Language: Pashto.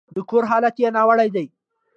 د کور حالت يې ناوړه دی.